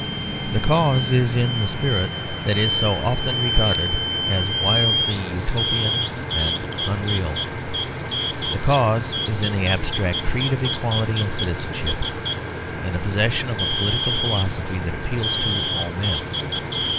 The cause is in the spirit that is so often regarded as wildly Utopian and unreal. The cause is in the abstract creed of equality and citizenship; in the possession of a political philosophy that appeals to all men.